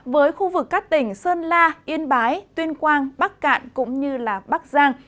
với khu vực các tỉnh sơn la yên bái tuyên quang bắc cạn cũng như bắc giang